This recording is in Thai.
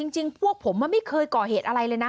จริงพวกผมไม่เคยก่อเหตุอะไรเลยนะ